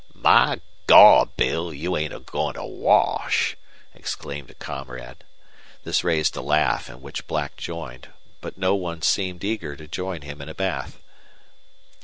"My Gawd, Bill, you ain't agoin' to wash!" exclaimed a comrade. This raised a laugh in which Black joined. But no one seemed eager to join him in a bath.